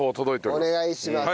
お願いします。